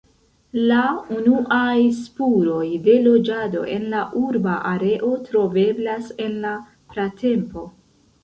La unuaj spuroj de loĝado en la urba areo troveblas en la pratempo.